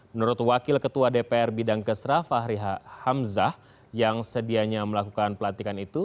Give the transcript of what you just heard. menurut wakil ketua dpr bidang kesra fahri hamzah yang sedianya melakukan pelantikan itu